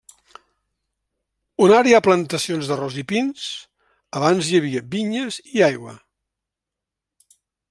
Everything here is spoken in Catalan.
On ara hi ha plantacions d'arròs i pins, abans hi havia vinyes i aigua.